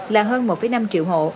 là hơn một năm triệu hộ